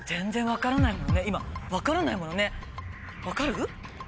分からないものね分かる？